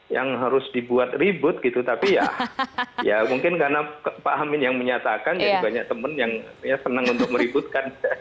yang harus dibuat ribut gitu tapi ya mungkin karena pak amin yang menyatakan jadi banyak teman yang senang untuk meributkan